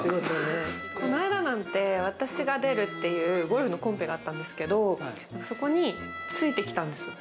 この間なんて、私が出るというゴルフのコンペがあったんですけれども、そこについてきたんですよ。